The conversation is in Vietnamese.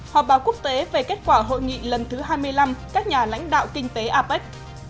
họp báo quốc tế về kết quả hội nghị lần thứ hai mươi năm các nhà lãnh đạo kinh tế apec